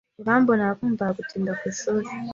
Irambona yakundaga gutinda ku ishuri.